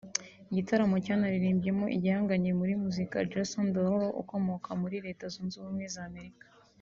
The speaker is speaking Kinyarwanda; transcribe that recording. igitaramo cyanaririmbyemo igihangange muri muzika Jason Derulo ukomoka muri Retza zunze ubumwe za Amerika